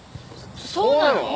そうなの！？